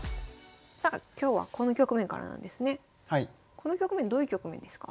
この局面どういう局面ですか？